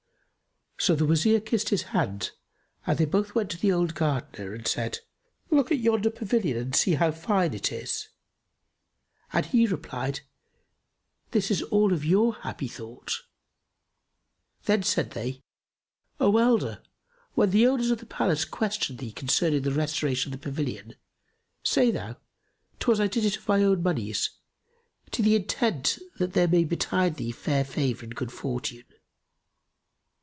So the Wazir kissed his hand and they both went to the old Gardener and said, "Look at yonder pavilion and see how fine it is!" And he replied, "This is all of your happy thought." Then said they, "O elder, when the owners of the place question thee concerning the restoration of the pavilion, say thou, 'Twas I did it of my own monies; to the intent that there may betide thee fair favour and good fortune."